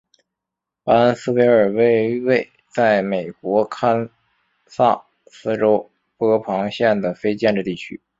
巴恩斯维尔为位在美国堪萨斯州波旁县的非建制地区。